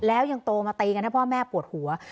แล้วยังโตมาตีกันเพราะว่าแม่ปวดหัวกฮูะ